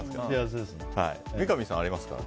三上さん、ありますか？